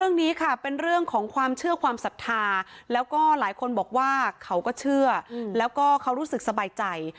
เรื่องนี้ค่ะเป็นเรื่องของความเชื่อความศรัทธาแล้วก็หลายคนบอกว่าเขาก็เชื่อแล้วก็เขารู้สึกสบายใจ